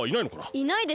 いないですね。